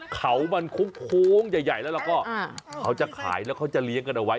เขามันโค้งใหญ่แล้วก็เขาจะขายแล้วเขาจะเลี้ยงกันเอาไว้